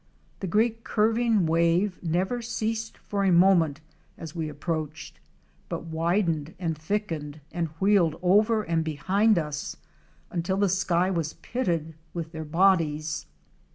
The great curving wave never ceased for a moment as we approached, but widened and thickened and wheeled over and behind us until the sky was pitted with their bodies.